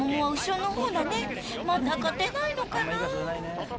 また勝てないのかな？